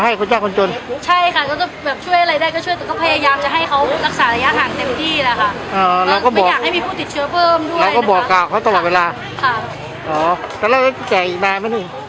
อ๋อแล้วก็บอกอยากให้มีผู้ติดเชื้อเพิ่มด้วยนะคะแล้วก็บอกก่อนเวลาค่ะอ๋อแล้วจะจ่ายอีกแบบไหมนี่